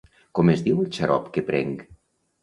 Com es diu el xarop que prenc?